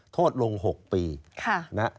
โทษลง๖ปีค่ะ